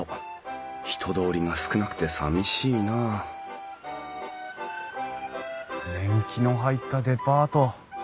人通りが少なくてさみしいなあ年季の入ったデパート。